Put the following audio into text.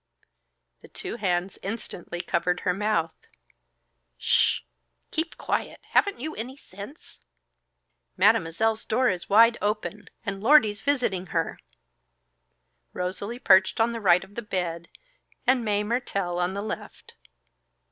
The two hands instantly covered her mouth. "Sh h! Keep quiet! Haven't you any sense?" "Mademoiselle's door is wide open, and Lordy's visiting her." Rosalie perched on the right of the bed, and Mae Mertelle on the left.